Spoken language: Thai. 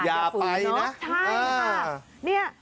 อย่าไปนะ